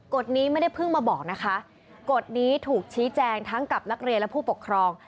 นี้ไม่ได้เพิ่งมาบอกนะคะกฎนี้ถูกชี้แจงทั้งกับนักเรียนและผู้ปกครอง